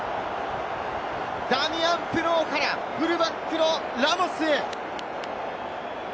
ダミアン・プノーからフルバックのラモスへ！